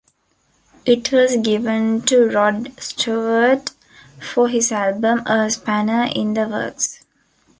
It was given to Rod Stewart for his album, "A Spanner in the Works".